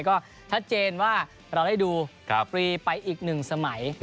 ก็ชัดเจนว่าเราได้ดูฟรีไปอีก๑สมัย